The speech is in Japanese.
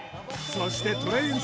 そしてトレエン